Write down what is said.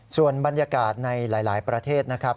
ส่วนบรรยากาศในหลายประเทศนะครับ